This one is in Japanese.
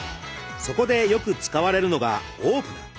そこでよく使われるのがオープナー。